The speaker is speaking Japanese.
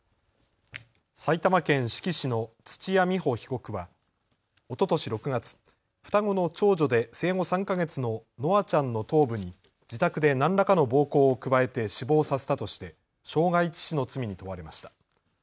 埼玉県志木市の土屋美保被告はおととし６月、双子の長女で生後３か月の愛空ちゃんの頭部に自宅で何らかの暴行を加えて死亡させたとして傷害致死の罪に問われました。